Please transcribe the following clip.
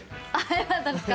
よかったですか。